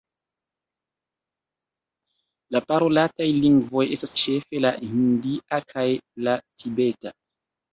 La parolataj lingvoj estas ĉefe la hindia kaj la tibeta.